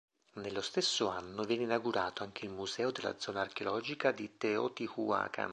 Nello stesso anno viene inaugurato anche il museo della zona archeologica di Teotihuacan.